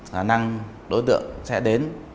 khả năng đối tượng sẽ đến